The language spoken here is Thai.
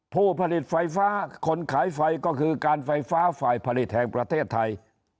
ผู้ผลิตไฟฟ้าคนขายไฟก็คือการไฟฟ้าฝ่ายผลิตแห่งประเทศไทย